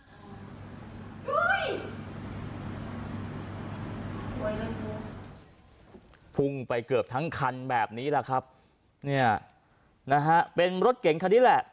พุ่งไปเกือบทั้งคันแบบนี้แหละครับเนี่ยนะฮะเป็นรถเก๋งคันนี้แหละ